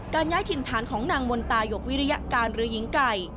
ย้ายถิ่นฐานของนางมนตายกวิริยการหรือหญิงไก่